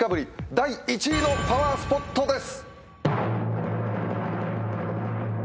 第１位のパワースポットです。